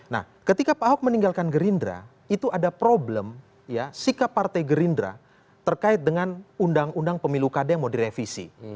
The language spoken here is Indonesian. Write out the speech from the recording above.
nah ketika pak ahok meninggalkan gerindra itu ada problem sikap partai gerindra terkait dengan undang undang pemilu kd yang mau direvisi